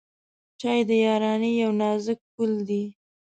چای د یارانۍ یو نازک پُل دی.